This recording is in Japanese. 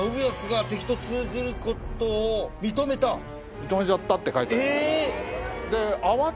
認めちゃったって書いてあります。